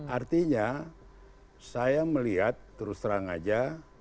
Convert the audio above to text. artinya saya melihat terus terang aja